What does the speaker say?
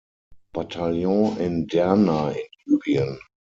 Bataillon in Derna in Libyen.